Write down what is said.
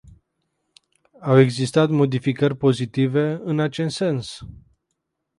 Au existat modificări pozitive în acest sens?